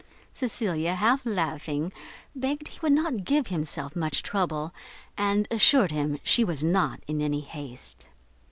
Cecilia, half laughing, begged he would not give himself much trouble, and assured him she was not in any haste.